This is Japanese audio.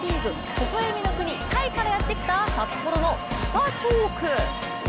ほほ笑みの国・タイからやってきた札幌のスパチョーク。